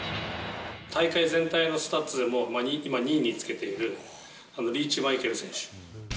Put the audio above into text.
大会全体のスタッツでも、今、２位につけているリーチマイケル選手。